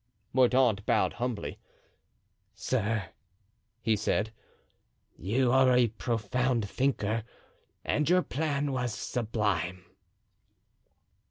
Mordaunt bowed humbly. "Sir," he said, "you are a profound thinker and your plan was sublime."